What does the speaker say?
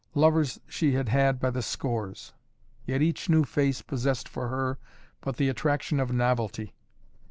Lovers she had had by the scores. Yet each new face possessed for her but the attraction of novelty.